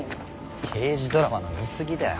刑事ドラマの見すぎだよ。